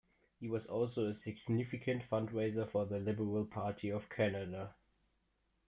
He was also a significant fundraiser for the Liberal Party of Canada.